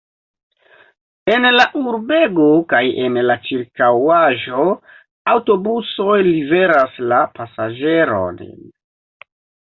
En la urbego kaj en la ĉirkaŭaĵo aŭtobusoj liveras la pasaĝerojn.